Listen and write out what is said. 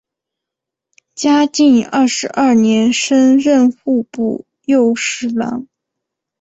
嘉靖二十二年升任户部右侍郎。